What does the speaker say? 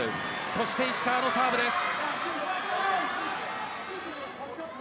そして石川のサーブです。